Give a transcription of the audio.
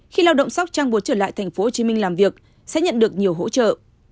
khi lao động sóc trăng muốn trở lại tp hcm làm việc sẽ nhận được nhiều hỗ trợ